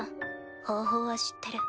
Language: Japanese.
方法は知ってる。